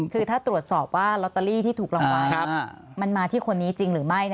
คือถ้าตรวจสอบว่าลอตเตอรี่ที่ถูกรางวัลมันมาที่คนนี้จริงหรือไม่